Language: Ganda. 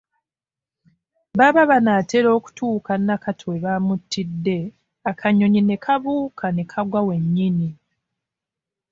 Baba banaatera okutuka Nakato we baamuttidde akanyonyi ne kabuuka ne kagwa wennyini